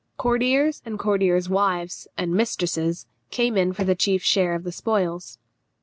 Courtiers and courtiers' wives and mistresses came in for the chief share of the spoils.